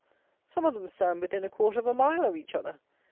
Some of them stand within a quarter of a mile of each other.